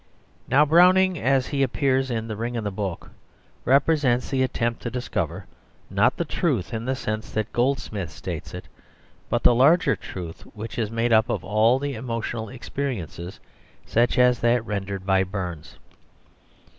Now Browning, as he appears in The Ring and the Book, represents the attempt to discover, not the truth in the sense that Goldsmith states it, but the larger truth which is made up of all the emotional experiences, such as that rendered by Burns.